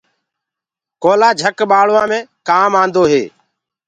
ڪوئيِلو جھڪ بآݪوآ مي ڪآن آندو هي۔